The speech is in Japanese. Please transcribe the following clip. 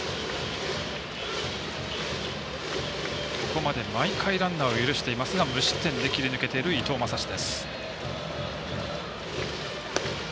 ここまで毎回ランナーを許していますが無失点で切り抜けている伊藤将司。